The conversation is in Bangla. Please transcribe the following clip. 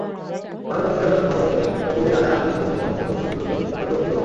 ভারতবর্ষে ভরত ছিলেন চক্রবর্তী রাজা, আমি তেমনি সমস্ত পশ্চিম-মুল্লুকের চক্রবর্তী-খুড়ো।